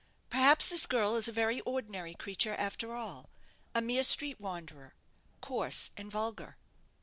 "Perhaps this girl is a very ordinary creature after all a mere street wanderer, coarse and vulgar."